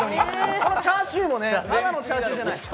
このチャーシューもただのチャーシューじゃない。